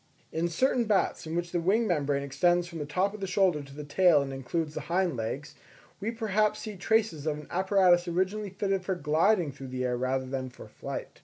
In certain bats in which the wing membrane extends from the top of the shoulder to the tail and includes the hind legs, we perhaps see traces of an apparatus originally fitted for gliding through the air rather than for flight.